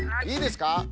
いいですか。